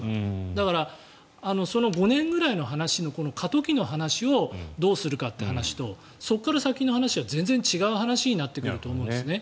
だから、その５年ぐらいの話の過渡期の話をどうするかっていう話とそこから先の話は全然違う話になってくると思うんですね。